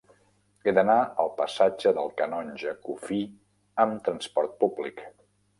He d'anar al passatge del Canonge Cuffí amb trasport públic.